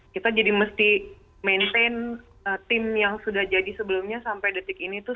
kita jadi mesti maintain tim yang sudah jadi sebelumnya sampai detik ini tuh